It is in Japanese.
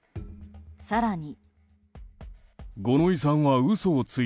更に。